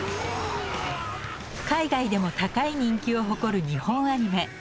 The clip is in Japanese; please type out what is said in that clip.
海外でも高い人気を誇る日本アニメ。